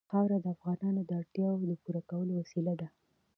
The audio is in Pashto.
خاوره د افغانانو د اړتیاوو د پوره کولو وسیله ده.